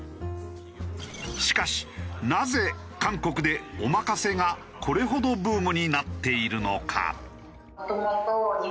しかしなぜ韓国でおまかせがこれほどブームになっているのか？